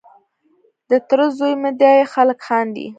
د تره زوی مو دی خلک خاندي.